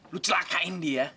lu celakain dia